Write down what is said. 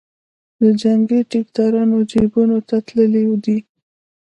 د جنګي ټیکدارانو جیبونو ته تللې ده.